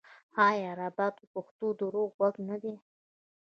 آیا رباب د پښتنو د روح غږ نه دی؟